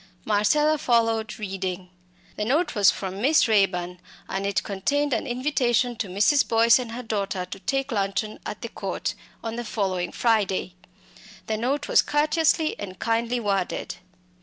Marcella followed, reading. The note was from Miss Raeburn, and it contained an invitation to Mrs. Boyce and her daughter to take luncheon at the Court on the following Friday. The note was courteously and kindly worded.